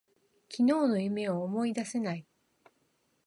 昨日の夢を思い出せない。